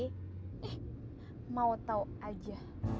ih mau tau aja